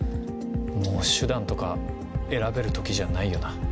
もう手段とか選べる時じゃないよな。